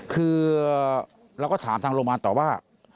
คือเราก็ถามทางโรงพยาบาลต่อว่า